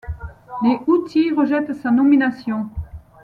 Les Houthis rejettent sa nomination.